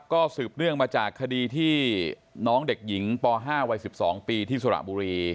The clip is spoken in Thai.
ก็สืบเนื่องมาจากคดีที่น้องเด็กหญิงป๕วัย๑๒ปีที่สระบุรี